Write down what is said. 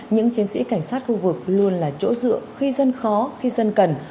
những chiến sĩ cảnh sát khu vực luôn là chỗ dựa khi dân khó khi dân cần